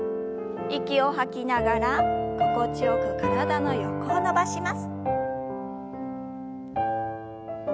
息を吐きながら心地よく体の横を伸ばします。